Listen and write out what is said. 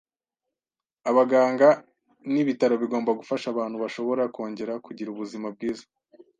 Abaganga nibitaro bigomba gufasha abantu bashobora kongera kugira ubuzima bwiza.